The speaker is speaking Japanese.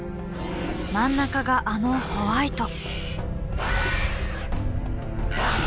真ん中があのホワイト。